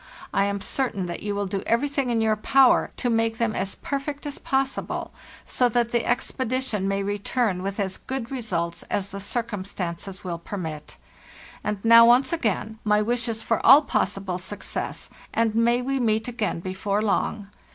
I am certain that you will do everything in your power to make them as perfect as possible, so that the expedition may return with as good results as the circumstances will permit. And now once again, my wishes for all possible success, and may we meet again before long.